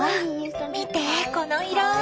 見てこの色！